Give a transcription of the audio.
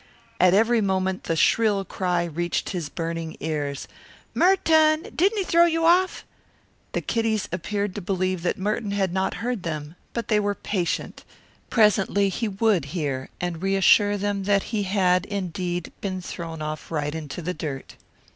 At every moment the shrill cry reached his burning ears, "Mer tun, didn't he throw you off?" The kiddies appeared to believe that Merton had not heard them, but they were patient. Presently he would hear and reassure them that he had, indeed, been thrown off right into the dirt.